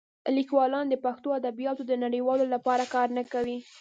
لیکوالان د پښتو ادبیاتو د نړیوالولو لپاره کار نه کوي.